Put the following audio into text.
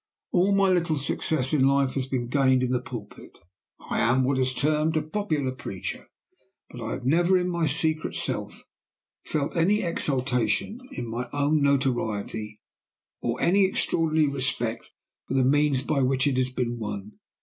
"All my little success in life has been gained in the pulpit. I am what is termed a popular preacher but I have never, in my secret self, felt any exultation in my own notoriety, or any extraordinary respect for the means by which it has been won.